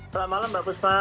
selamat malam mbak pusma